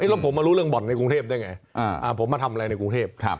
แล้วผมมารู้เรื่องบ่อนในกรุงเทพได้ไงผมมาทำอะไรในกรุงเทพ